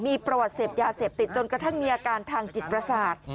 มีประวัติเสพยาเสพติดจนกระทั่งมีอาการทางจิตประสาท